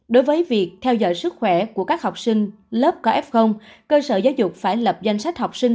đối với việc theo dõi sức khỏe của các học sinh lớp có f cơ sở giáo dục phải lập danh sách học sinh